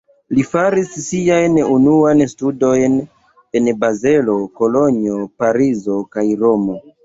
Li faris siajn unuajn studojn en Bazelo, Kolonjo, Parizo kaj Romo.